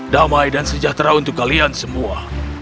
damai dan sejahtera untuk kalian semua